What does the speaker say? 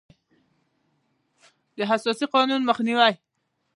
د اساسي حقوقو مخینه